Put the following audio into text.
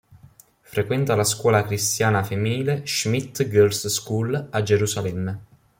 Frequenta la scuola cristiana femminile Schmidt Girls School a Gerusalemme.